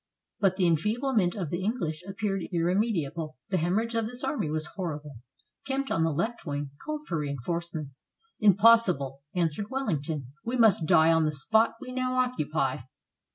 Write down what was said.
But the enfeeblement of the English appeared irre mediable. The hemorrhage of this army was horrible. Kempt, on the left wing, called for reinforcements. "Impossible," answered Wellington, "we must die on the spot we now occupy."